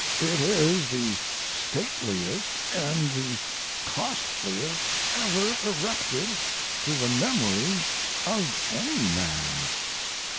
lxxxiii.] It is the stateliest and the costliest ever erected to the memory of any man.